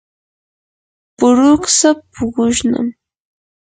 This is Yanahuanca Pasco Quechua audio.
puruksa puqushnam.